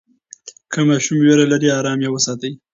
که ماشوم ویره لري، آرام یې وساتئ.